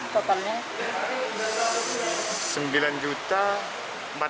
totalnya berapa mas